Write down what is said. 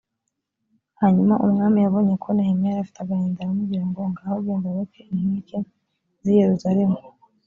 hanyuma umwami yabonye ko nehemiya yari afite agahinda aramubwira ngo: ngaho genda wubake inkike zi yeruzaremu